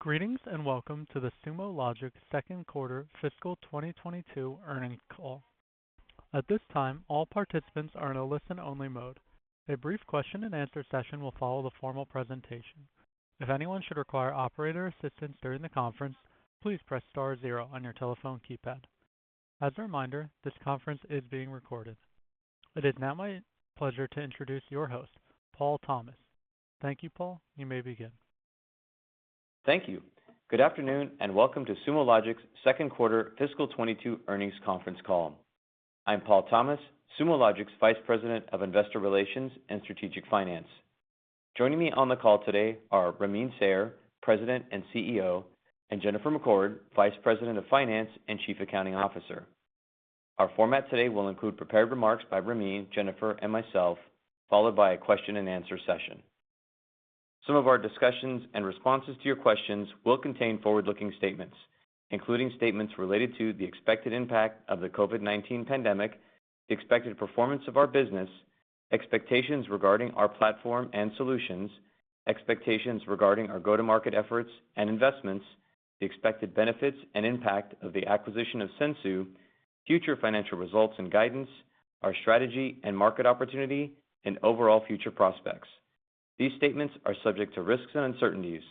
Greetings and welcome to the Sumo Logic second quarter fiscal 2022 earnings call. At this time, all participants are in a listen-only mode. A brief question and answer session will follow the formal presentation. If anyone should require operator assistance during the conference, please press star zero on your telephone keypad. As a reminder, this conference is being recorded. It is now my pleasure to introduce your host, Paul Thomas. Thank you, Paul. You may begin. Thank you. Good afternoon and welcome to Sumo Logic's second quarter fiscal 2022 earnings conference call. I'm Paul Thomas, Sumo Logic's Vice President of Investor Relations and Strategic Finance. Joining me on the call today are Ramin Sayar, President and CEO, and Jennifer McCord, Vice President of Finance and Chief Accounting Officer. Our format today will include prepared remarks by Ramin, Jennifer, and myself, followed by a question and answer session. Some of our discussions and responses to your questions will contain forward-looking statements, including statements related to the expected impact of the COVID-19 pandemic, the expected performance of our business, expectations regarding our platform and solutions, expectations regarding our go-to-market efforts and investments, the expected benefits and impact of the acquisition of Sensu, future financial results and guidance, our strategy and market opportunity, and overall future prospects. These statements are subject to risks and uncertainties.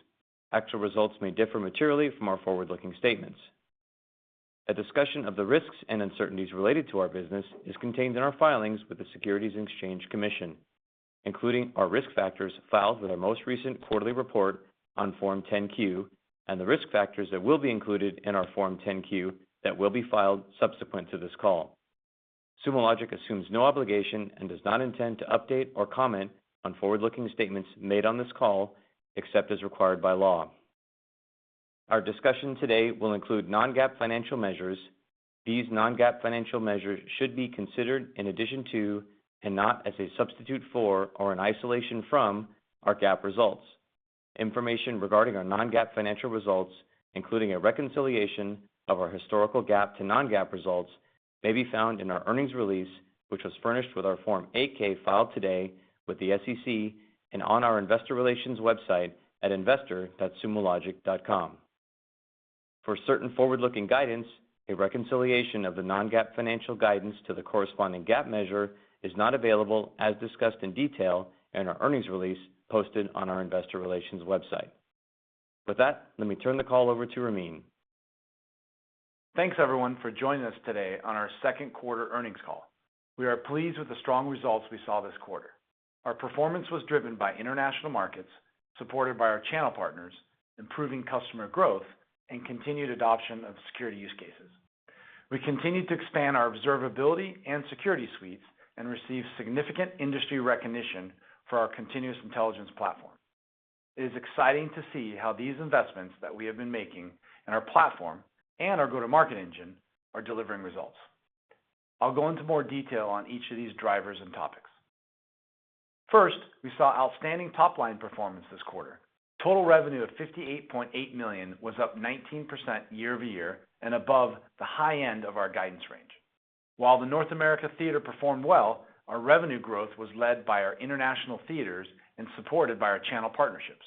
Actual results may differ materially from our forward-looking statements. A discussion of the risks and uncertainties related to our business is contained in our filings with the Securities and Exchange Commission, including our risk factors filed with our most recent quarterly report on Form 10-Q, and the risk factors that will be included in our Form 10-Q that will be filed subsequent to this call. Sumo Logic assumes no obligation and does not intend to update or comment on forward-looking statements made on this call except as required by law. Our discussion today will include non-GAAP financial measures. These non-GAAP financial measures should be considered in addition to, and not as a substitute for or in isolation from, our GAAP results. Information regarding our non-GAAP financial results, including a reconciliation of our historical GAAP to non-GAAP results, may be found in our earnings release, which was furnished with our Form 8-K filed today with the SEC and on our investor relations website at investor.sumologic.com. For certain forward-looking guidance, a reconciliation of the non-GAAP financial guidance to the corresponding GAAP measure is not available as discussed in detail in our earnings release posted on our investor relations website. With that, let me turn the call over to Ramin. Thanks, everyone, for joining us today on our second quarter earnings call. We are pleased with the strong results we saw this quarter. Our performance was driven by international markets, supported by our channel partners, improving customer growth, and continued adoption of security use cases. We continued to expand our observability and security suites and received significant industry recognition for our Continuous Intelligence Platform. It is exciting to see how these investments that we have been making in our platform and our go-to-market engine are delivering results. I'll go into more detail on each of these drivers and topics. First, we saw outstanding top-line performance this quarter. Total revenue of $58.8 million was up 19% year-over-year and above the high end of our guidance range. While the North America theater performed well, our revenue growth was led by our international theaters and supported by our channel partnerships.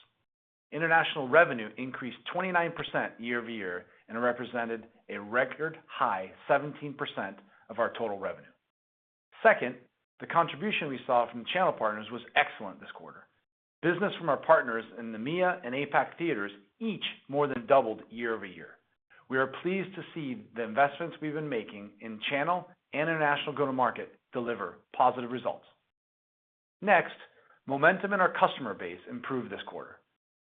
International revenue increased 29% year-over-year and represented a record high 17% of our total revenue. Second, the contribution we saw from the channel partners was excellent this quarter. Business from our partners in the EMEA and APAC theaters each more than doubled year-over-year. We are pleased to see the investments we've been making in channel and international go-to-market deliver positive results. Next, momentum in our customer base improved this quarter.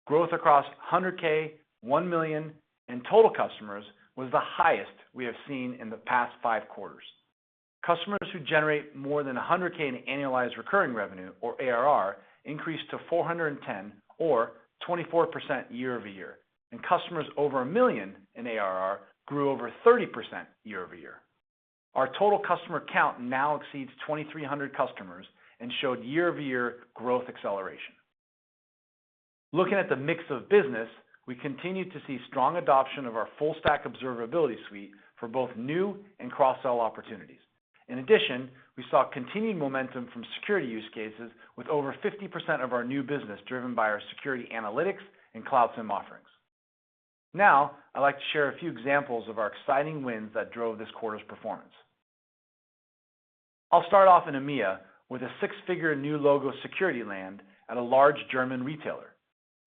Growth across $100K, $1 million, and total customers was the highest we have seen in the past five quarters. Customers who generate more than $100K in annualized recurring revenue, or ARR, increased to 410, or 24% year-over-year, and customers over $1 million in ARR grew over 30% year-over-year. Our total customer count now exceeds 2,300 customers and showed year-over-year growth acceleration. Looking at the mix of business, we continued to see strong adoption of our full-stack Observability Suite for both new and cross-sell opportunities. In addition, we saw continued momentum from security use cases with over 50% of our new business driven by our security analytics and Cloud SIEM offerings. I'd like to share a few examples of our exciting wins that drove this quarter's performance. I'll start off in EMEA with a six-figure new logo security land at a large German retailer.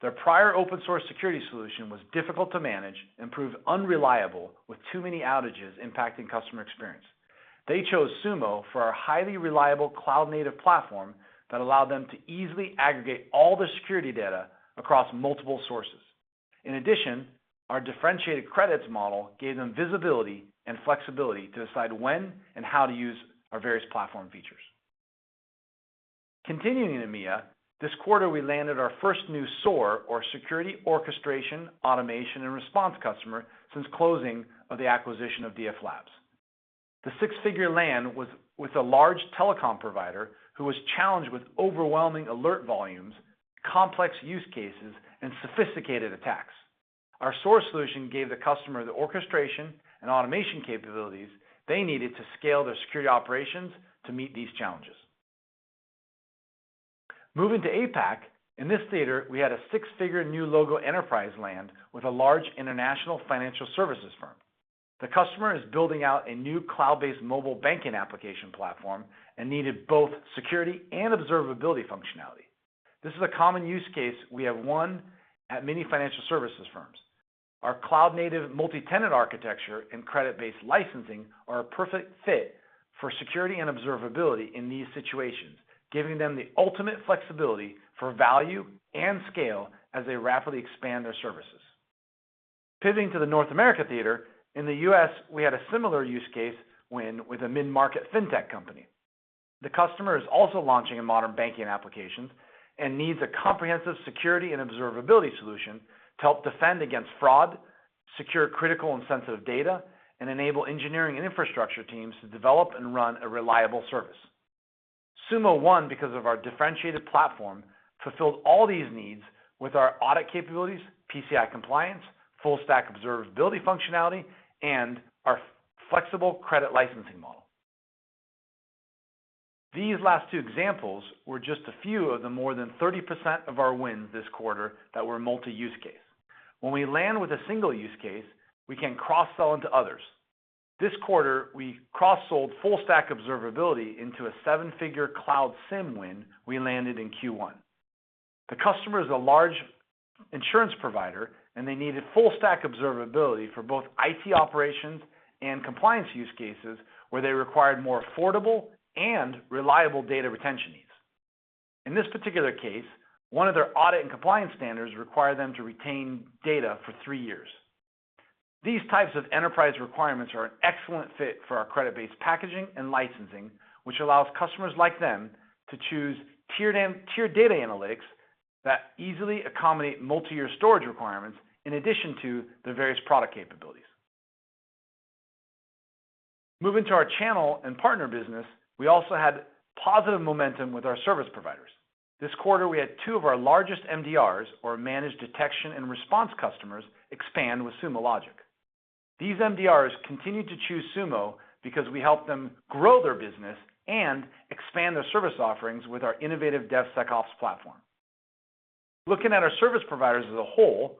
Their prior open source security solution was difficult to manage and proved unreliable with too many outages impacting customer experience. They chose Sumo for our highly reliable cloud-native platform that allowed them to easily aggregate all their security data across multiple sources. In addition, our differentiated credits model gave them visibility and flexibility to decide when and how to use our various platform features. Continuing in EMEA, this quarter we landed our first new SOAR, or Security Orchestration, Automation, and Response customer since closing of the acquisition of DFLabs. The six-figure land was with a large telecom provider who was challenged with overwhelming alert volumes, complex use cases, and sophisticated attacks. Our SOAR solution gave the customer the orchestration and automation capabilities they needed to scale their security operations to meet these challenges. Moving to APAC. In this theater, we had a six-figure new logo enterprise land with a large international financial services firm. The customer is building out a new cloud-based mobile banking application platform and needed both security and observability functionality. This is a common use case we have won at many financial services firms. Our cloud-native multi-tenant architecture and credit-based licensing are a perfect fit for security and observability in these situations, giving them the ultimate flexibility for value and scale as they rapidly expand their services. Pivoting to the North America theater, in the U.S., we had a similar use case win with a mid-market fintech company. The customer is also launching a modern banking application and needs a comprehensive security and observability solution to help defend against fraud, secure critical and sensitive data, and enable engineering and infrastructure teams to develop and run a reliable service. Sumo won because of our differentiated platform, fulfilled all these needs with our audit capabilities, PCI compliance, full-stack observability functionality, and our flexible credit licensing model. These last two examples were just a few of the more than 30% of our wins this quarter that were multi-use case. When we land with a single use case, we can cross-sell into others. This quarter, we cross-sold full-stack observability into a seven-figure Cloud SIEM win we landed in Q1. The customer is a large insurance provider, and they needed full-stack observability for both IT operations and compliance use cases, where they required more affordable and reliable data retention needs. In this particular case, one of their audit and compliance standards require them to retain data for three years. These types of enterprise requirements are an excellent fit for our credit-based packaging and licensing, which allows customers like them to choose tiered data analytics that easily accommodate multi-year storage requirements in addition to the various product capabilities. Moving to our channel and partner business, we also had positive momentum with our service providers. This quarter, we had two of our largest MDRs, or Managed Detection and Response customers, expand with Sumo Logic. These MDRs continue to choose Sumo because we help them grow their business and expand their service offerings with our innovative DevSecOps platform. Looking at our service providers as a whole,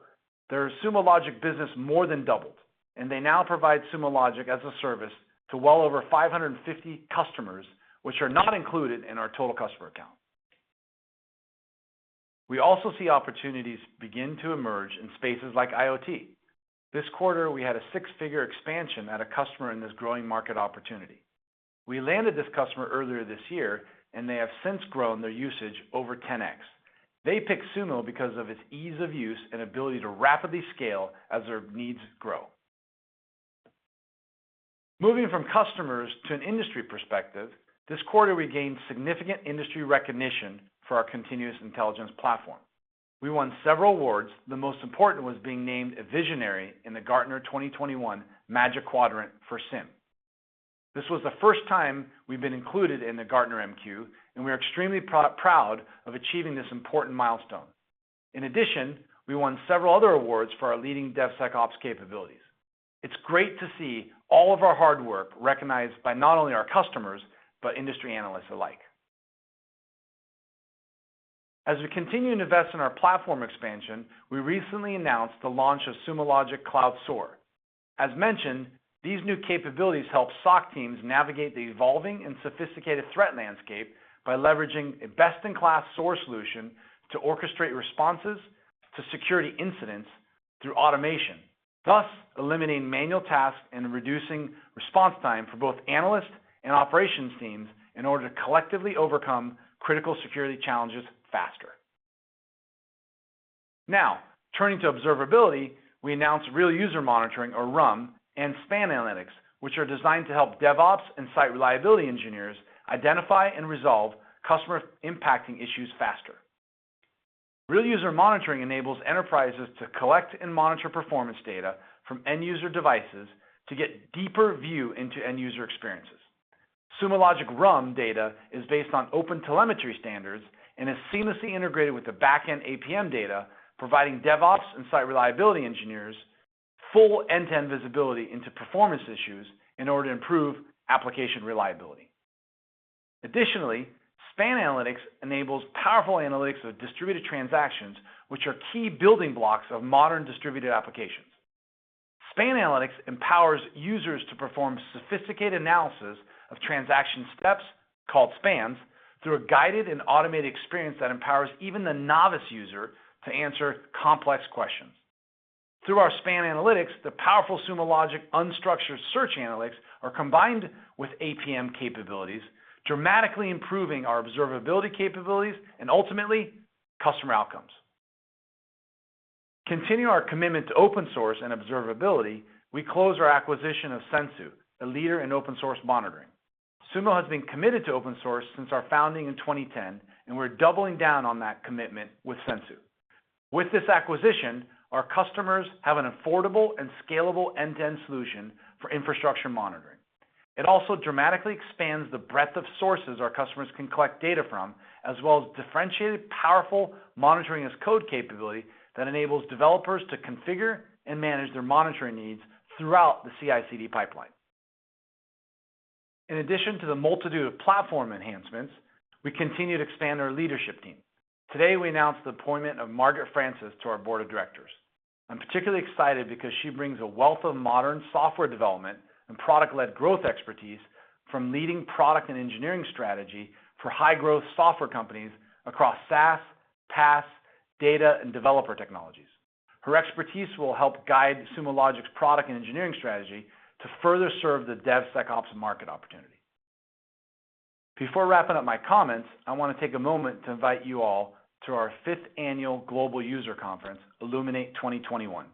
their Sumo Logic business more than doubled, and they now provide Sumo Logic as a service to well over 550 customers, which are not included in our total customer count. We also see opportunities begin to emerge in spaces like IoT. This quarter, we had a six-figure expansion at a customer in this growing market opportunity. We landed this customer earlier this year, and they have since grown their usage over 10x. They picked Sumo because of its ease of use and ability to rapidly scale as their needs grow. Moving from customers to an industry perspective, this quarter, we gained significant industry recognition for our Continuous Intelligence Platform. We won several awards. The most important was being named a Visionary in the Gartner 2021 Magic Quadrant for SIEM. This was the first time we've been included in the Gartner MQ, and we are extremely proud of achieving this important milestone. In addition, we won several other awards for our leading DevSecOps capabilities. It's great to see all of our hard work recognized by not only our customers, but industry analysts alike. As we continue to invest in our platform expansion, we recently announced the launch of Sumo Logic Cloud SOAR. As mentioned, these new capabilities help SOC teams navigate the evolving and sophisticated threat landscape by leveraging a best-in-class SOAR solution to orchestrate responses to security incidents through automation, thus eliminating manual tasks and reducing response time for both analysts and operations teams in order to collectively overcome critical security challenges faster. Now, turning to observability, we announced Real User Monitoring, or RUM, and Span Analytics, which are designed to help DevOps and site reliability engineers identify and resolve customer-impacting issues faster. Real User Monitoring enables enterprises to collect and monitor performance data from end-user devices to get deeper view into end-user experiences. Sumo Logic RUM data is based on OpenTelemetry standards and is seamlessly integrated with the back-end APM data, providing DevOps and site reliability engineers full end-to-end visibility into performance issues in order to improve application reliability. Additionally, Span Analytics enables powerful analytics of distributed transactions, which are key building blocks of modern distributed applications. Span Analytics empowers users to perform sophisticated analysis of transaction steps, called spans, through a guided and automated experience that empowers even the novice user to answer complex questions. Through our Span Analytics, the powerful Sumo Logic unstructured search analytics are combined with APM capabilities, dramatically improving our observability capabilities and ultimately customer outcomes. Continuing our commitment to open source and observability, we closed our acquisition of Sensu, a leader in open source monitoring. Sumo has been committed to open source since our founding in 2010, and we're doubling down on that commitment with Sensu. With this acquisition, our customers have an affordable and scalable end-to-end solution for infrastructure monitoring. It also dramatically expands the breadth of sources our customers can collect data from, as well as differentiated, powerful monitoring as code capability that enables developers to configure and manage their monitoring needs throughout the CI/CD pipeline. In addition to the multitude of platform enhancements, we continue to expand our leadership team. Today, we announce the appointment of Margaret Francis to our board of directors. I'm particularly excited because she brings a wealth of modern software development and product-led growth expertise from leading product and engineering strategy for high-growth software companies across SaaS, PaaS, data, and developer technologies. Her expertise will help guide Sumo Logic's product and engineering strategy to further serve the DevSecOps market opportunity. Before wrapping up my comments, I want to take a moment to invite you all to our fifth annual global user conference, Illuminate 2021.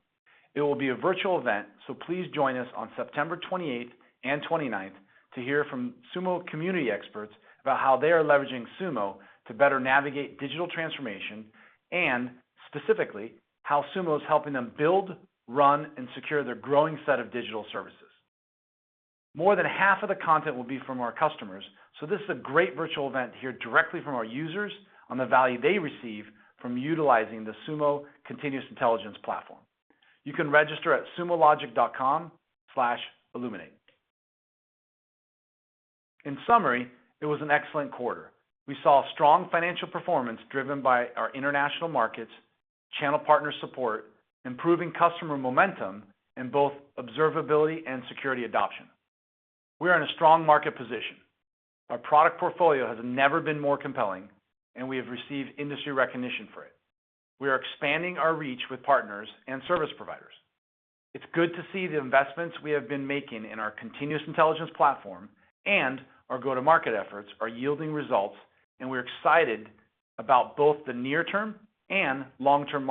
It will be a virtual event, so please join us on September 28th and 29th to hear from Sumo community experts about how they are leveraging Sumo to better navigate digital transformation, and specifically, how Sumo is helping them build, run, and secure their growing set of digital services. More than half of the content will be from our customers, so this is a great virtual event to hear directly from our users on the value they receive from utilizing the Sumo Continuous Intelligence Platform. You can register at sumologic.com/illuminate. In summary, it was an excellent quarter. We saw strong financial performance driven by our international markets, channel partner support, improving customer momentum in both observability and security adoption. We are in a strong market position. Our product portfolio has never been more compelling, and we have received industry recognition for it. We are expanding our reach with partners and service providers. It's good to see the investments we have been making in our Continuous Intelligence Platform and our go-to-market efforts are yielding results, and we're excited about both the near-term and long-term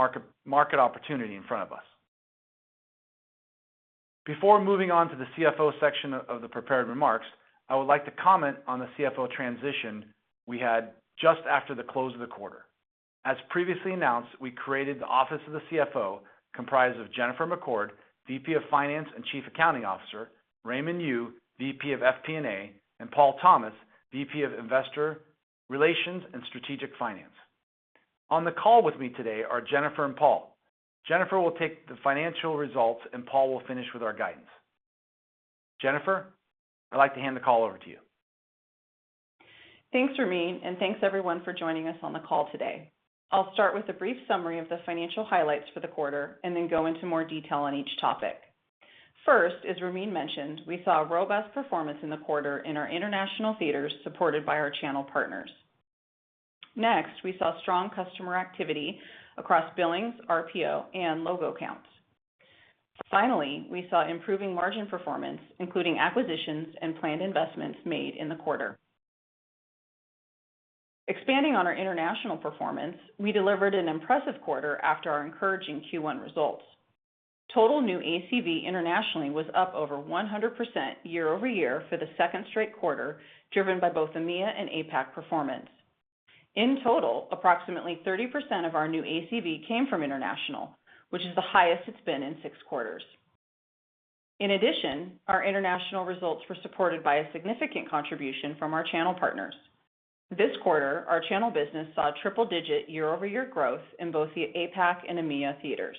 market opportunity in front of us. Before moving on to the CFO section of the prepared remarks, I would like to comment on the CFO transition we had just after the close of the quarter. As previously announced, we created the Office of the CFO, comprised of Jennifer McCord, VP of Finance and Chief Accounting Officer, Raymond Yue, VP of FP&A, and Paul Thomas, VP of Investor Relations and Strategic Finance. On the call with me today are Jennifer and Paul. Jennifer will take the financial results, and Paul will finish with our guidance. Jennifer, I'd like to hand the call over to you. Thanks, Ramin, thanks, everyone, for joining us on the call today. I'll start with a brief summary of the financial highlights for the quarter and then go into more detail on each topic. First, as Ramin mentioned, we saw robust performance in the quarter in our international theaters supported by our channel partners. Next, we saw strong customer activity across billings, RPO, and logo counts. Finally, we saw improving margin performance, including acquisitions and planned investments made in the quarter. Expanding on our international performance, we delivered an impressive quarter after our encouraging Q1 results. Total new ACV internationally was up over 100% year-over-year for the second straight quarter, driven by both EMEA and APAC performance. In total, approximately 30% of our new ACV came from international, which is the highest it's been in six quarters. In addition, our international results were supported by a significant contribution from our channel partners. This quarter, our channel business saw triple-digit year-over-year growth in both the APAC and EMEA theaters.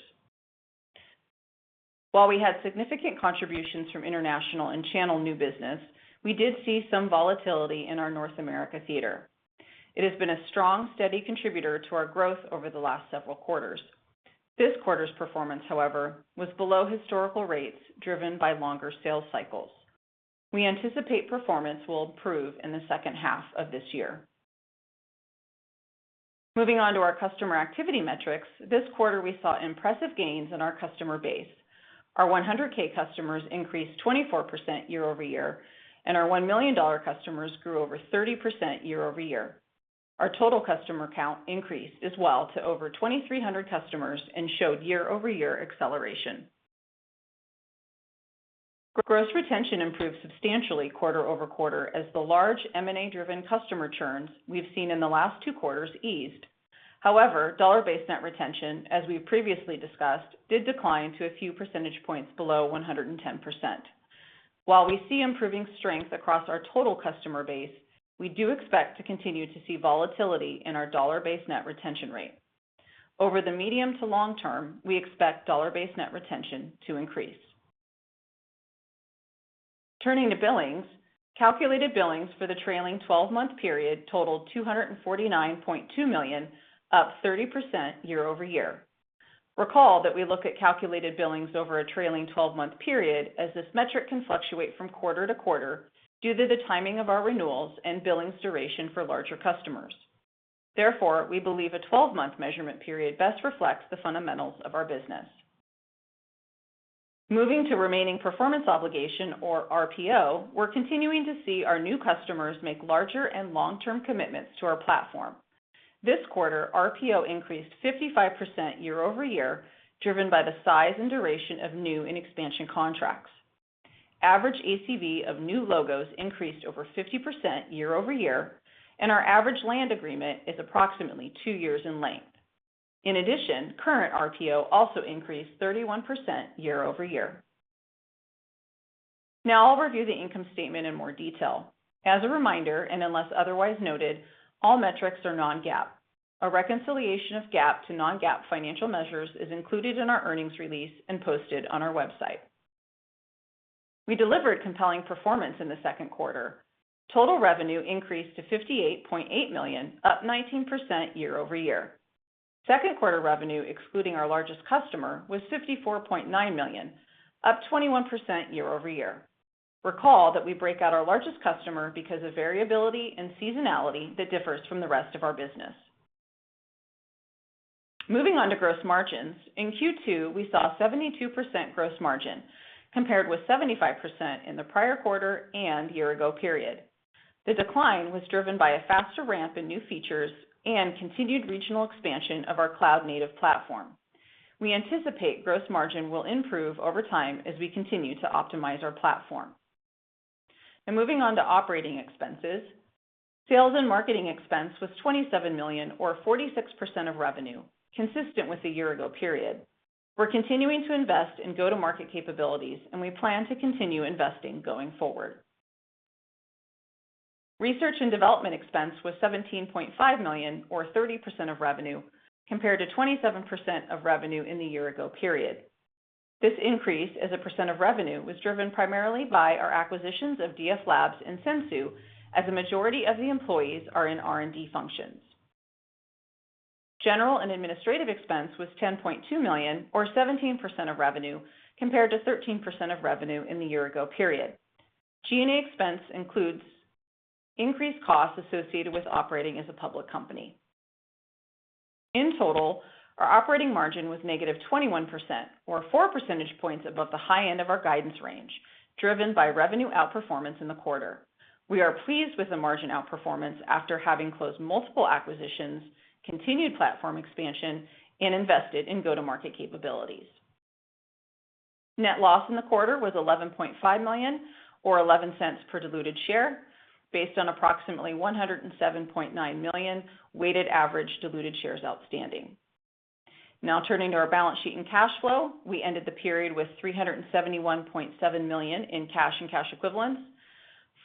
While we had significant contributions from international and channel new business, we did see some volatility in our North America theater. It has been a strong, steady contributor to our growth over the last several quarters. This quarter's performance, however, was below historical rates driven by longer sales cycles. We anticipate performance will improve in the second half of this year. Moving on to our customer activity metrics, this quarter, we saw impressive gains in our customer base. Our 100k customers increased 24% year-over-year, and our $1 million customers grew over 30% year-over-year. Our total customer count increased as well to over 2,300 customers and showed year-over-year acceleration. Gross retention improved substantially quarter-over-quarter as the large M&A-driven customer churns we've seen in the last two quarters eased. However, dollar-based net retention, as we've previously discussed, did decline to a few percentage points below 110%. While we see improving strength across our total customer base, we do expect to continue to see volatility in our dollar-based net retention rate. Over the medium to long term, we expect dollar-based net retention to increase. Turning to billings, calculated billings for the trailing 12-month period totaled $249.2 million, up 30% year-over-year. Recall that we look at calculated billings over a trailing 12-month period, as this metric can fluctuate from quarter-to-quarter due to the timing of our renewals and billings duration for larger customers. Therefore, we believe a 12-month measurement period best reflects the fundamentals of our business. Moving to remaining performance obligation, or RPO, we're continuing to see our new customers make larger and long-term commitments to our platform. This quarter, RPO increased 55% year-over-year, driven by the size and duration of new and expansion contracts. Average ACV of new logos increased over 50% year-over-year, and our average land agreement is approximately two years in length. In addition, current RPO also increased 31% year-over-year. I'll review the income statement in more detail. As a reminder, unless otherwise noted, all metrics are non-GAAP. A reconciliation of GAAP to non-GAAP financial measures is included in our earnings release and posted on our website. We delivered compelling performance in the second quarter. Total revenue increased to $58.8 million, up 19% year-over-year. Second quarter revenue, excluding our largest customer, was $54.9 million, up 21% year-over-year. Recall that we break out our largest customer because of variability and seasonality that differs from the rest of our business. Moving on to gross margins, in Q2, we saw 72% gross margin compared with 75% in the prior quarter and year-ago period. The decline was driven by a faster ramp in new features and continued regional expansion of our cloud-native platform. We anticipate gross margin will improve over time as we continue to optimize our platform. Now moving on to operating expenses. Sales and marketing expense was $27 million or 46% of revenue, consistent with the year-ago period. We're continuing to invest in go-to-market capabilities, and we plan to continue investing going forward. Research and development expense was $17.5 million or 30% of revenue, compared to 27% of revenue in the year-ago period. This increase as a percent of revenue was driven primarily by our acquisitions of DFLabs and Sensu, as the majority of the employees are in R&D functions. General and administrative expense was $10.2 million or 17% of revenue, compared to 13% of revenue in the year ago period. G&A expense includes increased costs associated with operating as a public company. In total, our operating margin was -21% or 4 percentage points above the high end of our guidance range, driven by revenue outperformance in the quarter. We are pleased with the margin outperformance after having closed multiple acquisitions, continued platform expansion, and invested in go-to-market capabilities. Net loss in the quarter was $11.5 million or $0.11 per diluted share based on approximately 107.9 million weighted average diluted shares outstanding. Now turning to our balance sheet and cash flow. We ended the period with $371.7 million in cash and cash equivalents.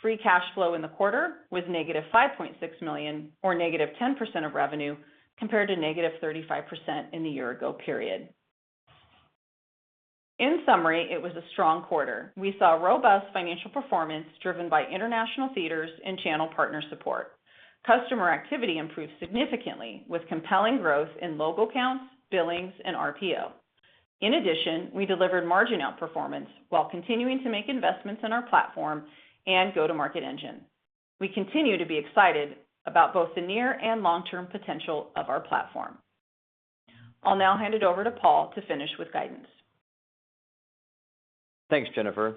Free cash flow in the quarter was negative $5.6 million or negative 10% of revenue, compared to negative 35% in the year-ago period. In summary, it was a strong quarter. We saw robust financial performance driven by international theaters and channel partner support. Customer activity improved significantly with compelling growth in logo counts, billings, and RPO. In addition, we delivered margin outperformance while continuing to make investments in our platform and go-to-market engine. We continue to be excited about both the near and long-term potential of our platform. I'll now hand it over to Paul to finish with guidance. Thanks, Jennifer.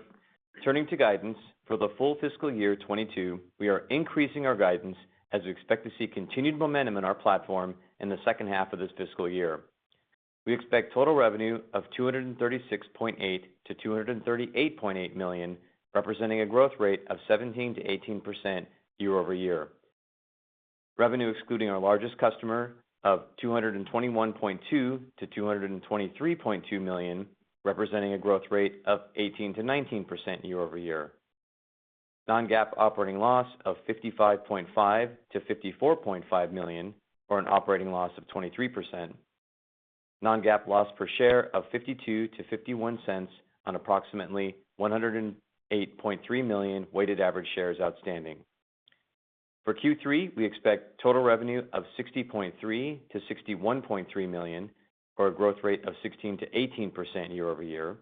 Turning to guidance for the full fiscal year 2022, we are increasing our guidance as we expect to see continued momentum in our platform in the second half of this fiscal year. We expect total revenue of $236.8 million-$238.8 million, representing a growth rate of 17%-18% year-over-year. Revenue excluding our largest customer of $221.2 million-$223.2 million, representing a growth rate of 18%-19% year-over-year. non-GAAP operating loss of $55.5 million-$54.5 million, or an operating loss of 23%. non-GAAP loss per share of $0.52-$0.51 on approximately 108.3 million weighted average shares outstanding. For Q3, we expect total revenue of $60.3 million-$61.3 million, or a growth rate of 16%-18% year-over-year.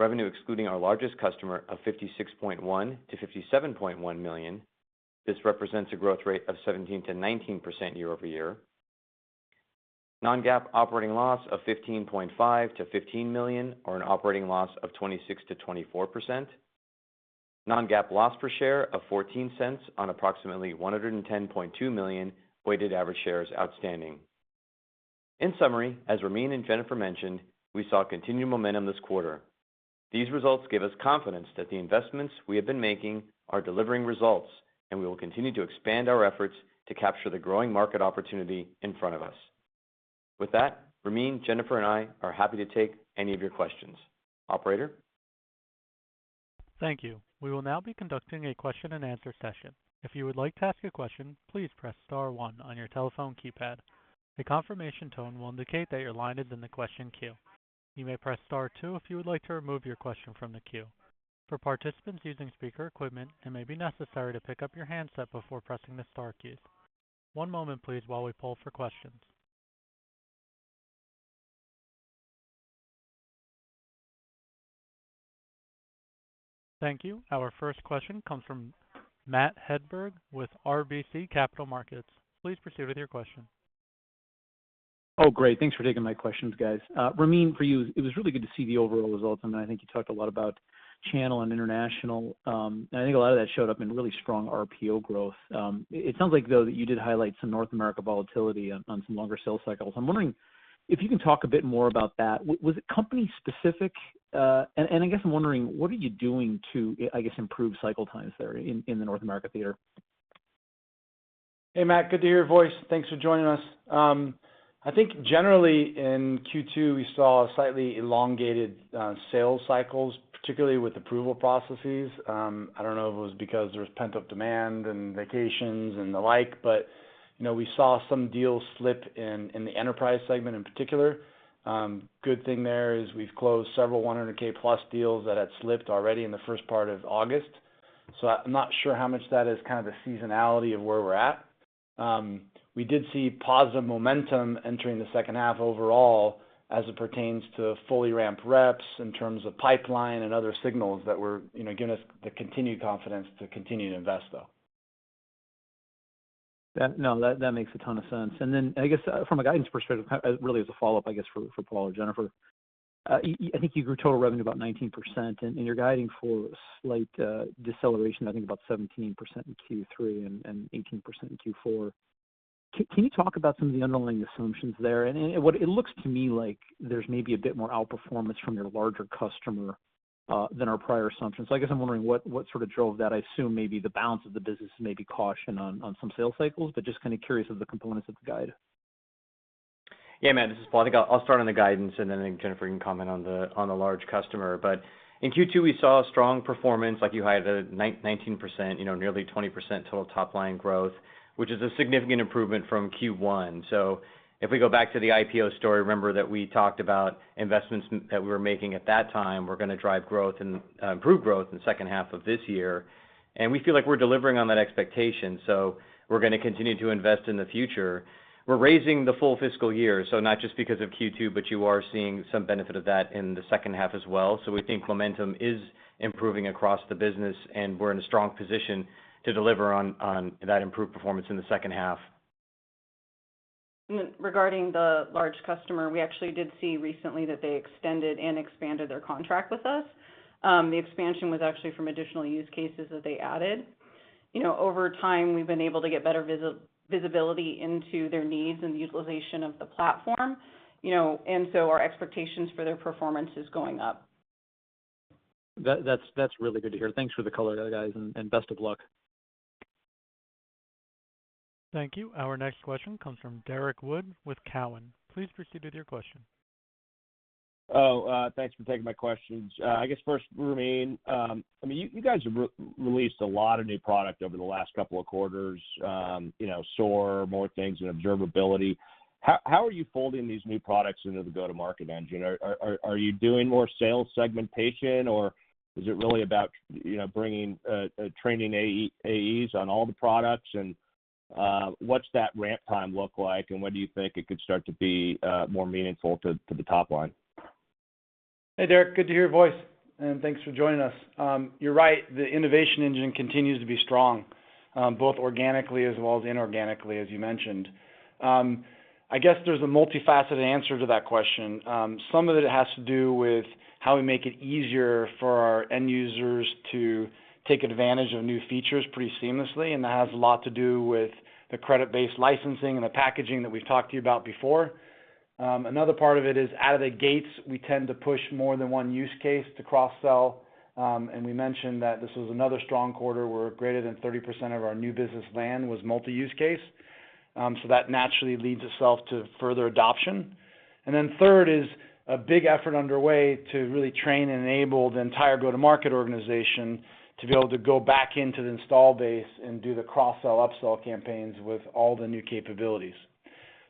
Revenue excluding our largest customer of $56.1 million-$57.1 million. This represents a growth rate of 17%-19% year-over-year. Non-GAAP operating loss of $15.5 million-$15 million, or an operating loss of 26%-24%. Non-GAAP loss per share of $0.14 on approximately 110.2 million weighted average shares outstanding. In summary, as Ramin and Jennifer mentioned, we saw continued momentum this quarter. These results give us confidence that the investments we have been making are delivering results, we will continue to expand our efforts to capture the growing market opportunity in front of us. With that, Ramin, Jennifer, and I are happy to take any of your questions. Operator? Thank `.We will now be conducting a question and answer session. If you would like to ask a question, please press star one on your telephone keypad. A confirmation tone will indicate that your line is in the question queue. You may press star two if you would like to remove your question from the queue. For participants using speaker equipment and maybe necessary to pick up your handset before pressing star keys. One moment please while we pull for questions. Thank you. Our first question comes from Matt Hedberg with RBC Capital Markets. Please proceed with your question. Oh, great. Thanks for taking my questions, guys. Ramin, for you, it was really good to see the overall results, I think you talked a lot about channel and international. I think a lot of that showed up in really strong RPO growth. It sounds like, though, that you did highlight some North America volatility on some longer sales cycles. I'm wondering if you can talk a bit more about that. Was it company specific? I guess I'm wondering, what are you doing to improve cycle times there in the North America theater? Hey, Matt. Good to hear your voice. Thanks for joining us. I think generally in Q2, we saw slightly elongated sales cycles, particularly with approval processes. I don't know if it was because there was pent-up demand and vacations and the like, but we saw some deals slip in the enterprise segment in particular. Good thing there is we've closed several 100k+ deals that had slipped already in the first part of August. I'm not sure how much that is kind of the seasonality of where we're at. We did see positive momentum entering the second half overall as it pertains to fully ramped reps in terms of pipeline and other signals that were giving us the continued confidence to continue to invest, though. No, that makes a ton of sense. I guess from a guidance perspective, really as a follow-up, I guess, for Paul or Jennifer, I think you grew total revenue about 19%, and you're guiding for slight deceleration, I think about 17% in Q3 and 18% in Q4. Can you talk about some of the underlying assumptions there? It looks to me like there's maybe a bit more outperformance from your larger customer than our prior assumptions. I guess I'm wondering what sort of drove that. I assume maybe the balance of the business may be caution on some sales cycles, but just kind of curious of the components of the guide. Matt, this is Paul. I think I'll start on the guidance and then I think Jennifer, you can comment on the large customer. In Q2, we saw strong performance like you highlighted, 19%, nearly 20% total top-line growth, which is a significant improvement from Q1. If we go back to the IPO story, remember that we talked about investments that we were making at that time, were going to drive growth and improve growth in the second half of this year. We feel like we're delivering on that expectation, we're going to continue to invest in the future. We're raising the full fiscal year, not just because of Q2, you are seeing some benefit of that in the second half as well. We think momentum is improving across the business, and we're in a strong position to deliver on that improved performance in the second half. Regarding the large customer, we actually did see recently that they extended and expanded their contract with us. The expansion was actually from additional use cases that they added. Over time, we've been able to get better visibility into their needs and the utilization of the platform. Our expectations for their performance is going up. That's really good to hear. Thanks for the color, guys, and best of luck. Thank you. Our next question comes from Derrick Wood with Cowen. Please proceed with your question. Oh, thanks for taking my questions. I guess first, Ramin, you guys have released a lot of new product over the last couple of quarters, SOAR, more things in observability. How are you folding these new products into the go-to-market engine? Are you doing more sales segmentation, or is it really about bringing training AEs on all the products? What's that ramp time look like, and when do you think it could start to be more meaningful to the top line? Hey, Derrick, good to hear your voice, and thanks for joining us. You're right, the innovation engine continues to be strong, both organically as well as inorganically, as you mentioned. I guess there's a multifaceted answer to that question. Some of it has to do with how we make it easier for our end users to take advantage of new features pretty seamlessly, and that has a lot to do with the credit-based licensing and the packaging that we've talked to you about before. Another part of it is out of the gates, we tend to push more than one use case to cross-sell, and we mentioned that this was another strong quarter where greater than 30% of our new business land was multi-use case. That naturally leads itself to further adoption. Third is a big effort underway to really train and enable the entire go-to-market organization to be able to go back into the install base and do the cross-sell, up-sell campaigns with all the new capabilities.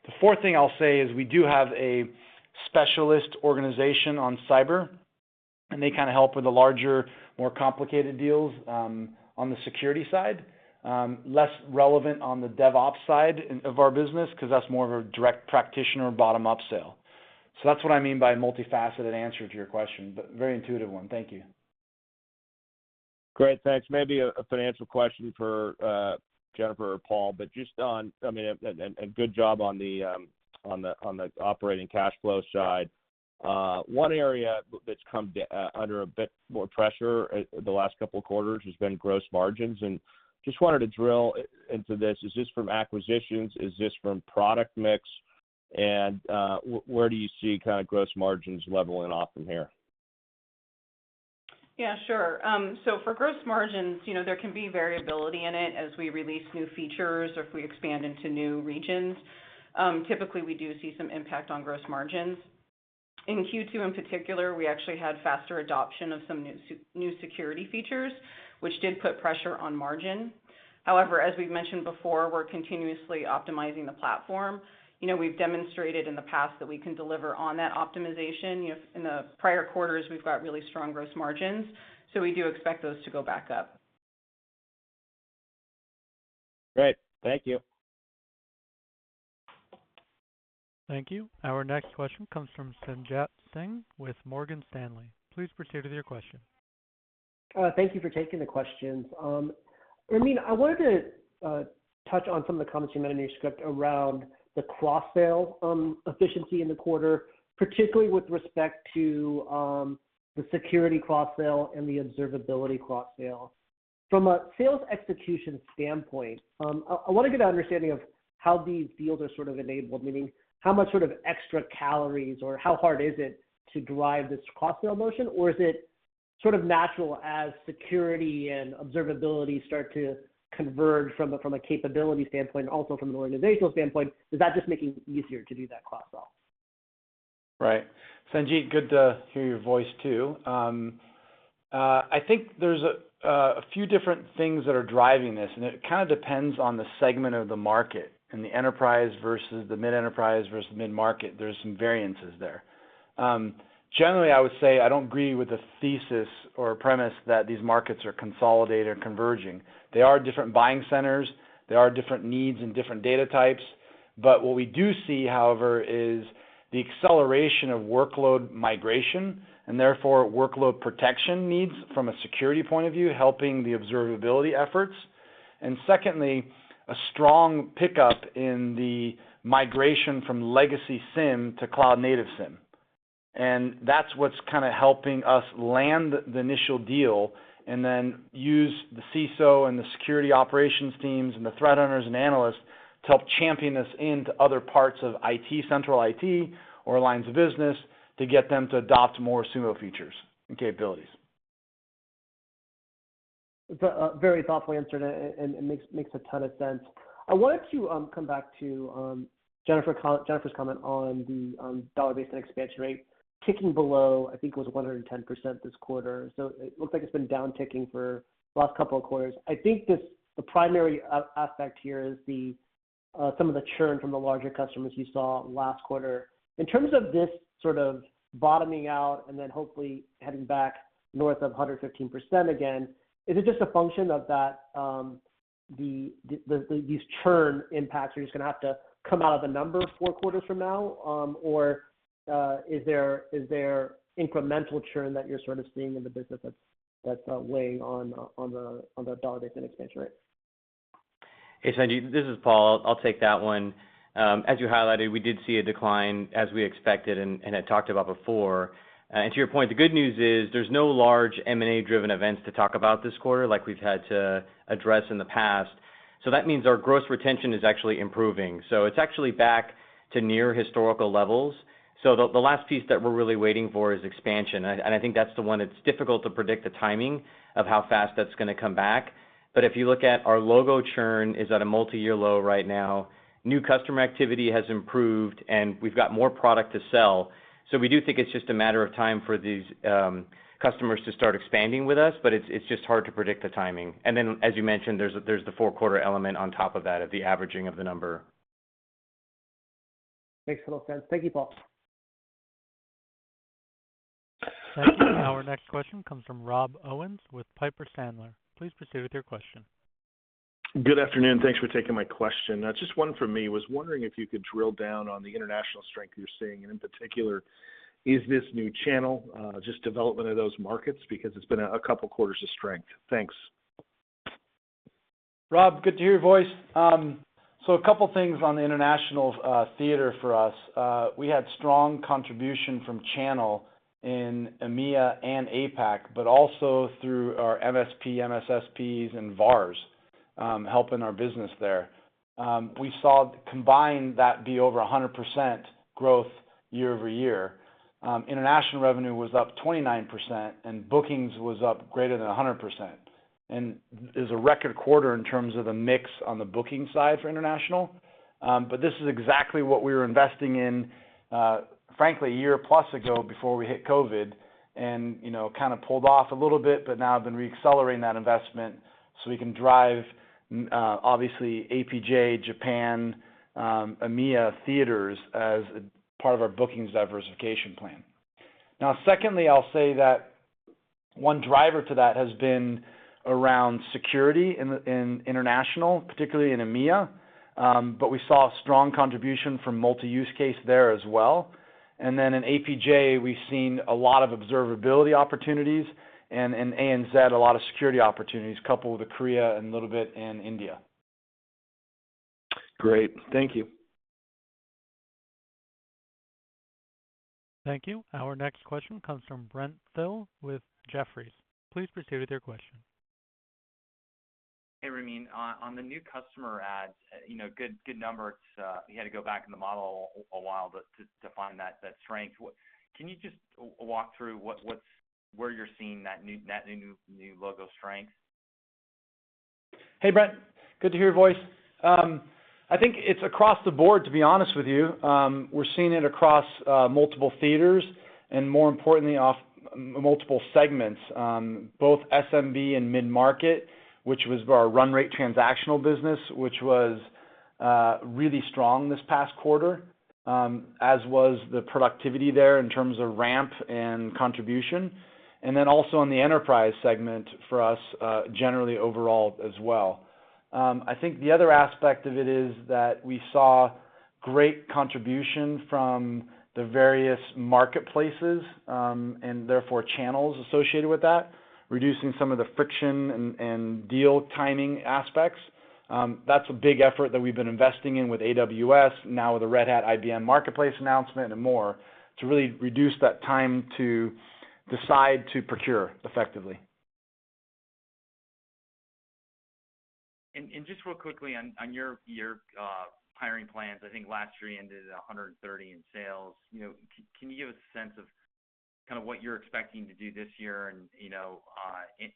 The fourth thing I'll say is we do have a specialist organization on cyber, and they kind of help with the larger, more complicated deals on the security side. Less relevant on the DevOps side of our business because that's more of a direct practitioner bottom-up sale. That's what I mean by a multifaceted answer to your question, but very intuitive one. Thank you. Great, thanks. Maybe a financial question for Jennifer or Paul, and good job on the operating cash flow side. One area that's come under a bit more pressure the last couple of quarters has been gross margins, and just wanted to drill into this. Is this from acquisitions? Is this from product mix? Where do you see kind of gross margins leveling off from here? Yeah, sure. For gross margins, there can be variability in it as we release new features or if we expand into new regions. Typically, we do see some impact on gross margins. In Q2 in particular, we actually had faster adoption of some new security features, which did put pressure on margin. However, as we've mentioned before, we're continuously optimizing the platform. We've demonstrated in the past that we can deliver on that optimization. In the prior quarters, we've got really strong gross margins. We do expect those to go back up. Great. Thank you. Thank you. Our next question comes from Sanjit Singh with Morgan Stanley. Please proceed with your question. Thank you for taking the questions. Ramin, I wanted to touch on some of the comments you made in your script around the cross-sale efficiency in the quarter, particularly with respect to the security cross-sale and the observability cross-sale. From a sales execution standpoint, I want to get an understanding of how these deals are sort of enabled, meaning how much sort of extra calories or how hard is it to drive this cross-sale motion? Or is it sort of natural as security and observability start to converge from a capability standpoint, and also from an organizational standpoint. Is that just making it easier to do that cross-sell? Right. Sanjit, good to hear your voice too. I think there's a few different things that are driving this, and it kind of depends on the segment of the market, and the enterprise versus the mid-enterprise versus mid-market. There's some variances there. Generally, I would say I don't agree with the thesis or premise that these markets are consolidated or converging. They are different buying centers, they are different needs and different data types. What we do see, however, is the acceleration of workload migration, and therefore workload protection needs from a security point of view, helping the observability efforts. Secondly, a strong pickup in the migration from legacy SIEM to cloud-native SIEM. That's what's helping us land the initial deal, and then use the CISO and the security operations teams and the threat hunters and analysts to help champion this into other parts of central IT or lines of business to get them to adopt more Sumo features and capabilities. Very thoughtful answer. It makes a ton of sense. I wanted to come back to Jennifer's comment on the dollar-based expansion rate ticking below, I think it was 110% this quarter. It looks like it's been down-ticking for the last couple of quarters. I think the primary aspect here is some of the churn from the larger customers you saw last quarter. In terms of this sort of bottoming out and then hopefully heading back north of 115% again, is it just a function of these churn impacts are just going to have to come out of the number four quarters from now? Or is there incremental churn that you're sort of seeing in the business that's weighing on the dollar-based net expansion rate? Hey, Sanjit, this is Paul. I'll take that one. As you highlighted, we did see a decline as we expected and had talked about before. To your point, the good news is there's no large M&A-driven events to talk about this quarter, like we've had to address in the past. That means our gross retention is actually improving. It's actually back to near historical levels. The last piece that we're really waiting for is expansion, and I think that's the one that's difficult to predict the timing of how fast that's going to come back. If you look at our logo churn is at a multi-year low right now. New customer activity has improved, and we've got more product to sell. We do think it's just a matter of time for these customers to start expanding with us, but it's just hard to predict the timing. As you mentioned, there's the four-quarter element on top of that, of the averaging of the number. Makes a lot of sense. Thank you, Paul. Our next question comes from Rob Owens with Piper Sandler. Please proceed with your question. Good afternoon. Thanks for taking my question. Just one from me. Was wondering if you could drill down on the international strength you're seeing, and in particular, is this new channel just development of those markets? Because it's been a couple of quarters of strength. Thanks. Rob, good to hear your voice. A couple things on the international theater for us. We had strong contribution from channel in EMEA and APAC, but also through our MSP, MSSPs, and VARs helping our business there. We saw combined that be over 100% growth year-over-year. International revenue was up 29%, and bookings was up greater than 100%, and is a record quarter in terms of the mix on the booking side for international. This is exactly what we were investing in, frankly, a year plus ago, before we hit COVID and kind of pulled off a little bit, but now have been re-accelerating that investment so we can drive, obviously, APJ, Japan, EMEA theaters as part of our bookings diversification plan. Secondly, I'll say that one driver to that has been around security in international, particularly in EMEA. We saw strong contribution from multi-use case there as well. In APJ, we've seen a lot of observability opportunities, and in ANZ, a lot of security opportunities, coupled with Korea and little bit in India. Great. Thank you. Thank you. Our next question comes from Brent Thill with Jefferies. Please proceed with your question. Hey, Ramin. On the new customer adds, good number. You had to go back in the model a while to find that strength. Can you just walk through where you're seeing that new logo strength? Hey, Brent. Good to hear your voice. I think it's across the board, to be honest with you. We're seeing it across multiple theaters and more importantly, off multiple segments. Both SMB and mid-market, which was our run rate transactional business, which was really strong this past quarter, as was the productivity there in terms of ramp and contribution. Also in the enterprise segment for us generally overall as well. I think the other aspect of it is that we saw great contribution from the various marketplaces, and therefore channels associated with that, reducing some of the friction and deal timing aspects. That's a big effort that we've been investing in with AWS, now with the Red Hat IBM Marketplace announcement, and more to really reduce that time to decide to procure effectively. Just real quickly on your hiring plans, I think last year you ended at 130 in sales. Can you give a sense of what you're expecting to do this year and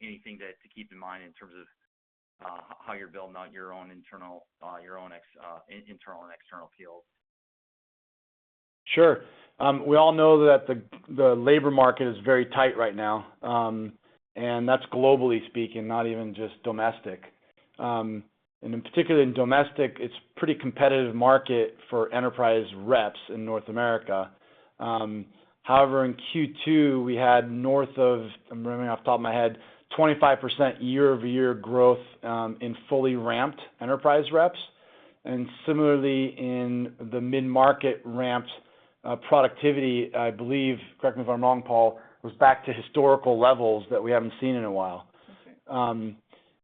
anything to keep in mind in terms of how you're building out your own internal and external AEs? Sure. We all know that the labor market is very tight right now, and that's globally speaking, not even just domestic. In particular, in domestic, it's pretty competitive market for enterprise reps in North America. However, in Q2, we had north of, I'm remembering off the top of my head, 25% year-over-year growth in fully ramped enterprise reps. Similarly, in the mid-market ramped productivity, I believe, correct me if I'm wrong, Paul, was back to historical levels that we haven't seen in a while. Okay.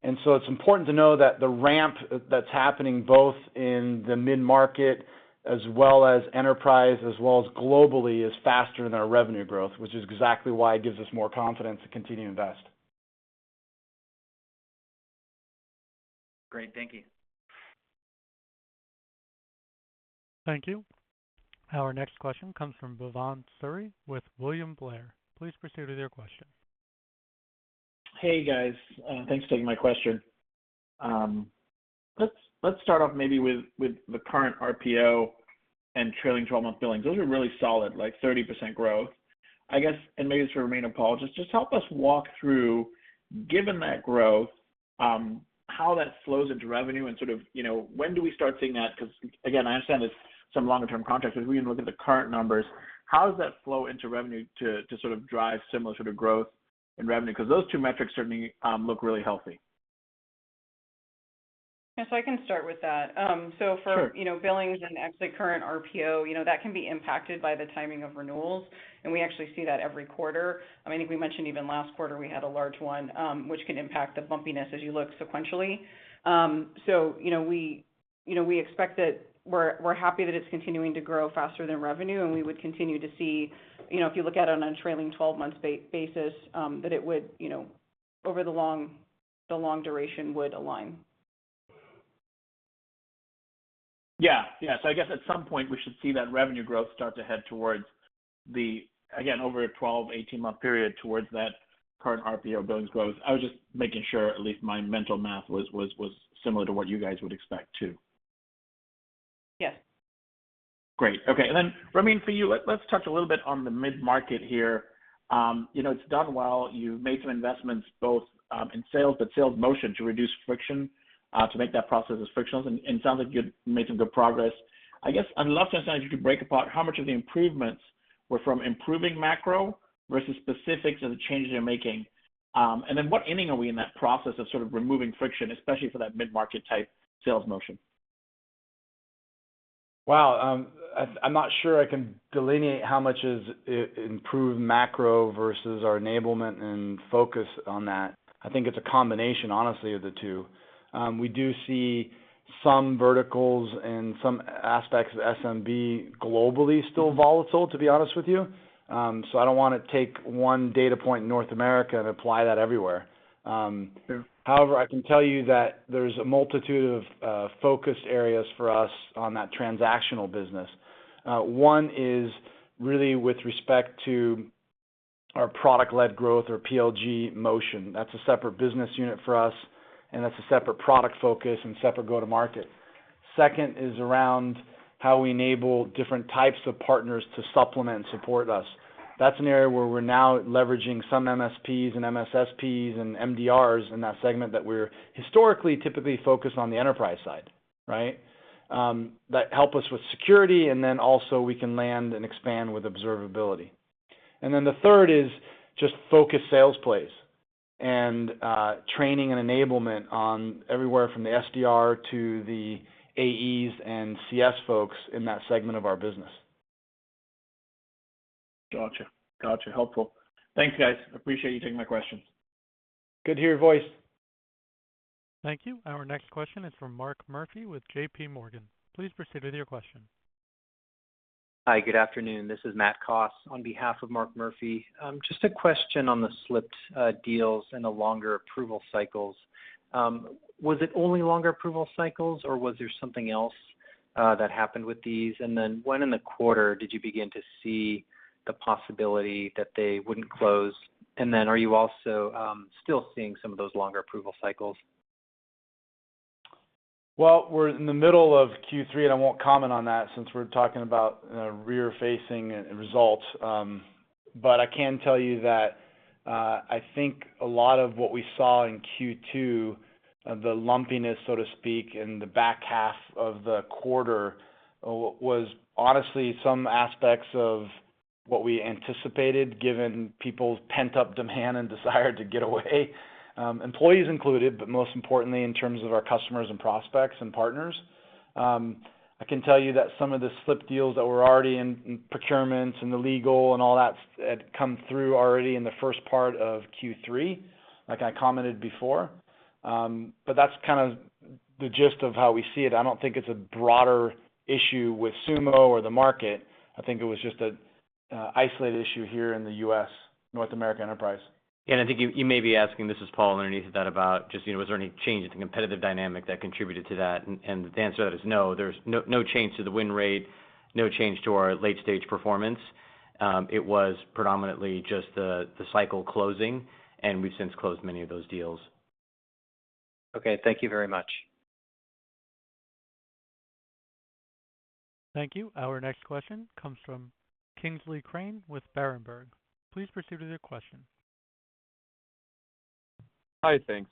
It's important to know that the ramp that's happening both in the mid-market as well as enterprise, as well as globally, is faster than our revenue growth, which is exactly why it gives us more confidence to continue to invest. Great. Thank you. Thank you. Our next question comes from Bhavan Suri with William Blair. Please proceed with your question. Hey, guys. Thanks for taking my question. Let's start off maybe with the current RPO and trailing 12-month billings. Those are really solid, like 30% growth. I guess, and maybe this is for Ramin and Paul, just help us walk through, given that growth, how that flows into revenue, and when do we start seeing that? Again, I understand it's some longer-term contracts, because we even look at the current numbers. How does that flow into revenue to drive similar sort of growth in revenue? Those two metrics certainly look really healthy. I can start with that. Sure. For billings and actually current RPO, that can be impacted by the timing of renewals, and we actually see that every quarter. I think we mentioned even last quarter we had a large one, which can impact the bumpiness as you look sequentially. We're happy that it's continuing to grow faster than revenue, and we would continue to see, if you look at it on a trailing 12 months basis, that it would, over the long duration, would align. Yeah. I guess at some point we should see that revenue growth start to head towards the, again, over a 12, 18 month period, towards that current RPO billings growth. I was just making sure at least my mental math was similar to what you guys would expect, too. Yes. Great. Okay. Ramin, for you, let's touch a little bit on the mid-market here. It's done well. You've made some investments both in sales, but sales motion to reduce friction, to make that process as frictionless, and it sounds like you made some good progress. I guess I'd love to understand if you could break apart how much of the improvements were from improving macro versus specifics of the changes you're making. What inning are we in that process of sort of removing friction, especially for that mid-market type sales motion? I'm not sure I can delineate how much is improved macro versus our enablement and focus on that. I think it's a combination, honestly, of the two. We do see some verticals and some aspects of SMB globally still volatile, to be honest with you. I don't want to take one data point in North America and apply that everywhere. Sure. I can tell you that there's a multitude of focused areas for us on that transactional business. One is really with respect to our product-led growth or PLG motion. That's a separate business unit for us, and that's a separate product focus and separate go-to-market. Second is around how we enable different types of partners to supplement and support us. That's an area where we're now leveraging some MSPs and MSSPs and MDRs in that segment that we're historically typically focused on the enterprise side, right? That help us with security, and then also we can land and expand with observability. The third is just focused sales plays and training and enablement on everywhere from the SDR to the AEs and CS folks in that segment of our business. Got you. Helpful. Thanks, guys. Appreciate you taking my questions. Good to hear your voice. Thank you. Our next question is from Mark Murphy with JPMorgan. Please proceed with your question. Hi, good afternoon. This is Matt Koss on behalf of Mark Murphy. Just a question on the slipped deals and the longer approval cycles. Was it only longer approval cycles, or was there something else that happened with these? When in the quarter did you begin to see the possibility that they wouldn't close? Are you also still seeing some of those longer approval cycles? Well, we're in the middle of Q3, and I won't comment on that since we're talking about rear-facing results. I can tell you that I think a lot of what we saw in Q2, the lumpiness, so to speak, in the back half of the quarter, was honestly some aspects of what we anticipated given people's pent-up demand and desire to get away, employees included, but most importantly in terms of our customers and prospects and partners. I can tell you that some of the slipped deals that were already in procurement and the legal and all that had come through already in the first part of Q3, like I commented before. That's kind of the gist of how we see it. I don't think it's a broader issue with Sumo or the market. I think it was just an isolated issue here in the U.S., North America enterprise. Yeah, I think you may be asking, this is Paul, underneath that about just was there any change to the competitive dynamic that contributed to that? The answer to that is no. There's no change to the win rate, no change to our late-stage performance. It was predominantly just the cycle closing, and we've since closed many of those deals. Okay. Thank you very much. Thank you. Our next question comes from Kingsley Crane with Berenberg. Please proceed with your question. Hi, thanks.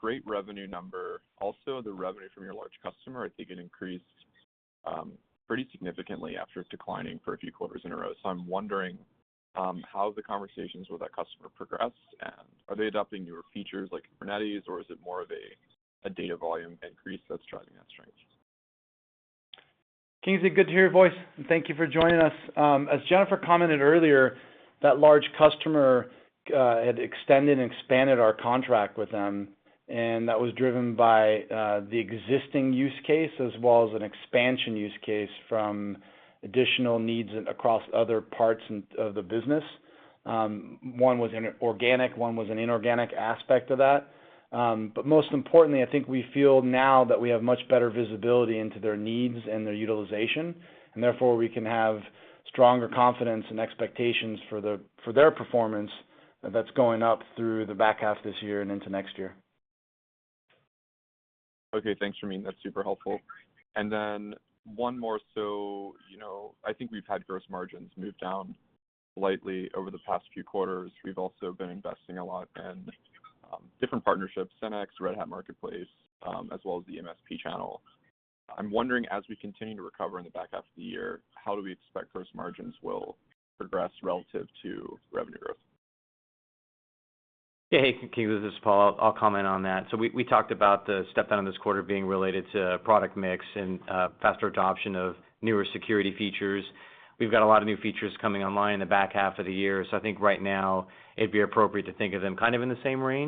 Great revenue number. Also, the revenue from your large customer, I think it increased pretty significantly after declining for a few quarters in a row. I'm wondering, how have the conversations with that customer progressed? Are they adopting newer features like Kubernetes, or is it more of a data volume increase that's driving that change? Kingsley, good to hear your voice, and thank you for joining us. As Jennifer commented earlier, that large customer had extended and expanded our contract with them, and that was driven by the existing use case as well as an expansion use case from additional needs across other parts of the business. One was an organic, one was an inorganic aspect of that. Most importantly, I think we feel now that we have much better visibility into their needs and their utilization, and therefore we can have stronger confidence and expectations for their performance that's going up through the back half of this year and into next year. Okay, thanks, Ramin. That's super helpful. One more. I think we've had gross margins move down slightly over the past few quarters. We've also been investing a lot in different partnerships, Sensu, Red Hat Marketplace, as well as the MSP channel. I'm wondering, as we continue to recover in the back half of the year, how do we expect gross margins will progress relative to revenue growth? Hey, Kingsley. This is Paul. I'll comment on that. We talked about the step down this quarter being related to product mix and faster adoption of newer security features. We've got a lot of new features coming online in the back half of the year, so I think right now it'd be appropriate to think of them kind of in the same range.